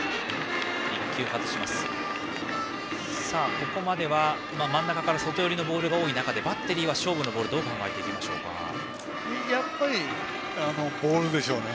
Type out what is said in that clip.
ここまでは真ん中から外寄りのボールが多い中でバッテリーは勝負のボールをやっぱりボールでしょうね。